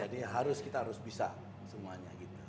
ya jadi harus kita bisa semuanya gitu